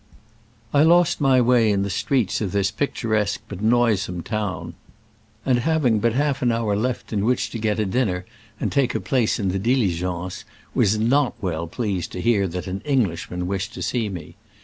I lost my way in the streets of this picturesque but noisome town, and hav ing but a half hour left in which to get a dinner and take a place in the dili gence, was not well pleased to hear that an Englishman wished to see me.